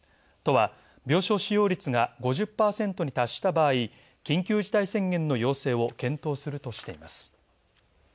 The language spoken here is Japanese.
都は病床使用率が５０％に到達した場合、緊急事態宣言の要請を検討するとしています。